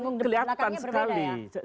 ini kelihatan sekali